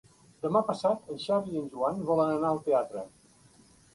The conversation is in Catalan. Demà passat en Xavi i en Joan volen anar al teatre.